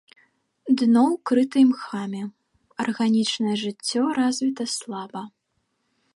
Дно ўкрыта імхамі, арганічнае жыццё развіта слаба.